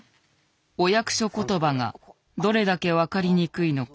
お役所ことばがどれだけ分かりにくいのか。